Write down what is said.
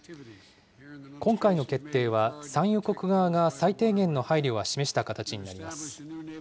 今回の決定は、産油国側が最低限の配慮は示した形になります。